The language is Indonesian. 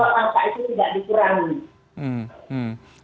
maka itu tidak dikurangi